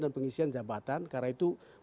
dan pengisian jabatan karena itu